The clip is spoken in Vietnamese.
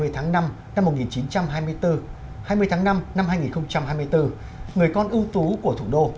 hai mươi tháng năm năm một nghìn chín trăm hai mươi bốn hai mươi tháng năm năm hai nghìn hai mươi bốn người con ưu tú của thủ đô